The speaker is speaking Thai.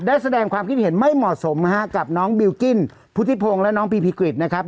แสดงความคิดเห็นไม่เหมาะสมนะฮะกับน้องบิลกิ้นพุทธิพงศ์และน้องพีพีกริจนะครับ